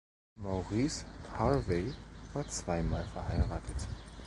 Maurice Harvey war zweimal verheiratet.